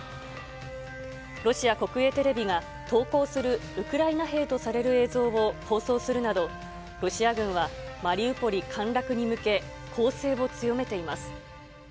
ロシア国営テレビが投降するウクライナ兵とされる映像を放送するなど、ロシア軍はマリウポリ陥落に向け、攻勢を強めています。